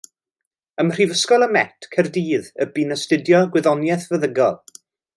Ym Mhrifysgol y Met, Caerdydd bu'n astudio Gwyddoniaeth Feddygol.